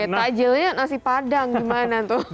oke takjilnya nasi padang gimana tuh